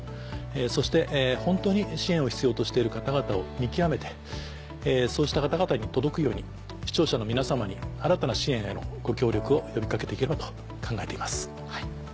そして本当に支援を必要としている方々を見極めてそうした方々に届くように視聴者の皆さまに新たな支援へのご協力を呼び掛けていければと考えています。